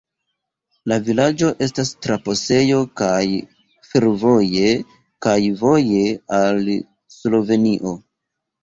La vilaĝo estas trapasejo kaj fervoje, kaj voje al Slovenio.